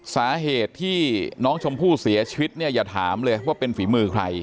สาเหตุที่น้องชมพู่เสียชีวิตเนี่ยอย่าถามเลยว่าเป็นฝีมือใคร